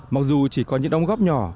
mặc dù chỉ có những đồng góp nhỏ